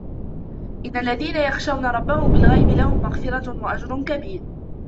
إِنَّ الَّذينَ يَخشَونَ رَبَّهُم بِالغَيبِ لَهُم مَغفِرَةٌ وَأَجرٌ كَبيرٌ